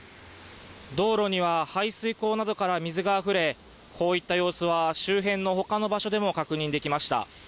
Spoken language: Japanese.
道路には排水溝などから水があふれ、こういった様子は周辺のほかの場所でも確認できました。